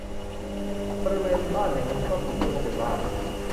บริเวณบ้านแห่งนั้นก็ถูกเรียกว่าเป็นบ้าน